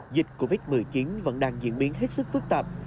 dịch covid một mươi chín vẫn đang diễn biến hết sức phức tạp